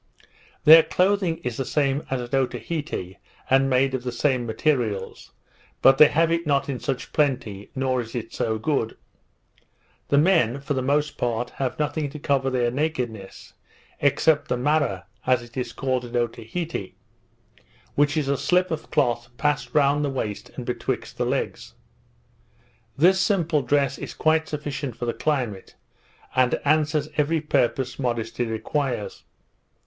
Their clothing is the same as at Otaheite, and made of the same materials; but they have it not in such plenty, nor is it so good. The men, for the most part, have nothing to cover their nakedness, except the Marra, as it is called at Otaheite; which is a slip of cloth passed round the waist and betwixt the legs; This simple dress is quite sufficient for the climate, and answers every purpose modesty requires.